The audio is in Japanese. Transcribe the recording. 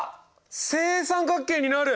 正三角形になる！